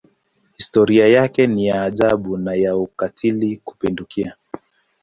Historia yake ni ya aibu na ya ukatili kupindukia.